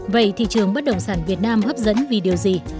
vậy thị trường bất động sản việt nam hấp dẫn vì điều gì